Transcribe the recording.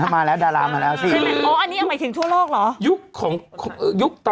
มาแล้วดารามาแล้วสิ